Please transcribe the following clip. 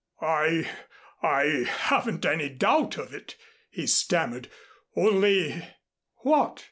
"I I haven't any doubt of it," he stammered. "Only " "What?"